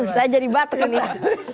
saya jadi batu nih